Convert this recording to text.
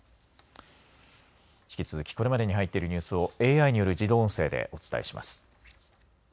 引き続きこれまでに入っているニュースをＡＩによる自動音声でお伝えします。